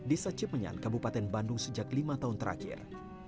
desa cipenyan kabupaten bandung sejak lima tahun terakhir